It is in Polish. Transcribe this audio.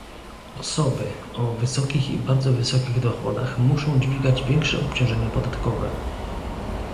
Osoby o wysokich i bardzo wysokich dochodach muszą dźwigać większe obciążenia podatkowe